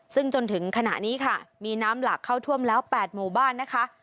ซึ่งจนถึงขณะนี้ค่ะมีน้ำหลากเข้าท่วมแล้ว๘หมู่บ้านนะคะ